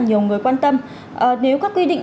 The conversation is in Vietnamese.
nhiều người quan tâm nếu các quy định